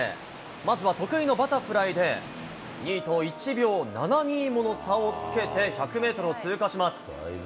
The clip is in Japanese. まずは得意のバタフライで、２位と１秒７２もの差をつけて、１００メートルを通過します。